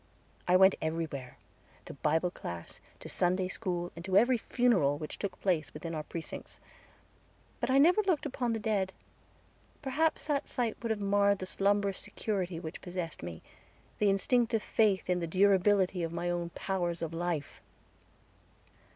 I went everywhere, to Bible class, to Sunday school, and to every funeral which took place within our precincts. But I never looked upon the dead; perhaps that sight would have marred the slumbrous security which possessed me the instinctive faith in the durability of my own powers of life.